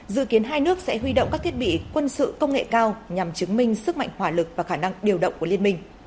dự kiến hai nước sẽ huy động các thiết bị quân sự công nghệ cao nhằm chứng minh sức mạnh hỏa lực và khả năng điều động của liên minh